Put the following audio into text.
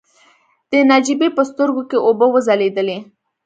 د نجيبې په سترګو کې اوبه وځلېدلې.